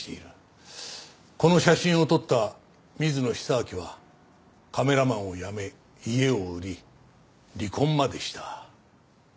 この写真を撮った水野久明はカメラマンを辞め家を売り離婚までした。